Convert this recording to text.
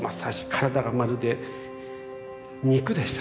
体がまるで肉でした。